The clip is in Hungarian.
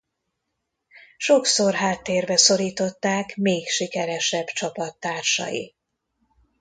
Sokszor háttérbe szorították még sikeresebb csapattársai.